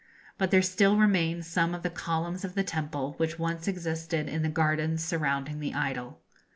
But there still remain some of the columns of the temple which once existed in the gardens surrounding the idol.